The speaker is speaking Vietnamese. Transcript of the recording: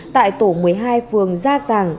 tại tổ một mươi hai phường gia sàng